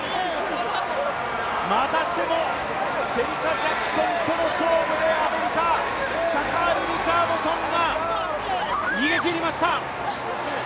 またしてもシェリカ・ジャクソンとの勝負で敗れたシャカーリ・リチャードソンが逃げきりました！